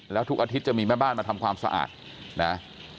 แล้วทุกอาทิตย์จะมีแม่บ้านมาทำความสะอาดนะ